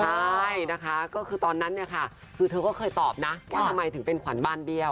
ใช่นะคะก็คือตอนนั้นเนี่ยค่ะคือเธอก็เคยตอบนะว่าทำไมถึงเป็นขวัญบานเดียว